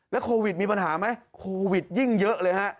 โควิดมีปัญหาไหมโควิดยิ่งเยอะเลยฮะ